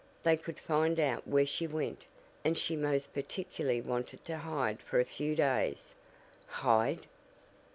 "They could find out where she went, and she most particularly wanted to hide for a few days." "Hide!"